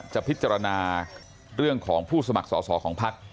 จะพิจารณาเรื่องของผู้สมัครสอสอของพัก